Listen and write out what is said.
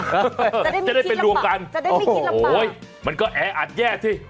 จะได้มีที่ลำบากจะได้ไม่กินลำบากโอ้ยมันก็แออัดแยกสิ